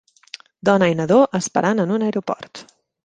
Dona i nadó esperant en un aeroport.